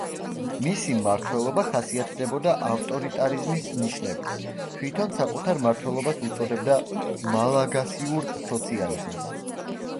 მისი მმართველობა ხასიათდებოდა ავტორიტარიზმის ნიშნებით, თვითონ საკუთარ მმართველობას უწოდებდა „მალაგასიურ სოციალიზმს“.